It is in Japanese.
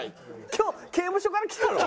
今日刑務所から来たの？